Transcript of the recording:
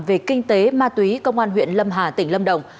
về kinh tế ma túy công an huyện lâm hà tỉnh lâm đồng